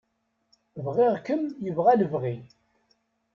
Bɣiɣ-kem yebɣa lebɣi.